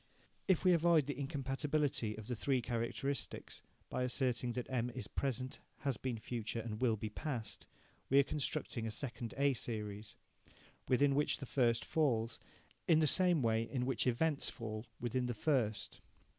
If we avoid the incompatibility of the three characteristics by asserting that M is present, has been future, and will be past, we are constructing a second A series, within which the first falls, in the same way in which events fall within the first.